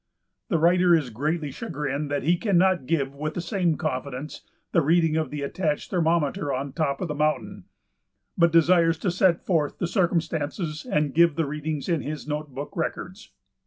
The writer is greatly chagrined that he cannot give with the same confidence the reading of the attached thermometer on top of the mountain, but desires to set forth the circumstances and give the readings in his note book records.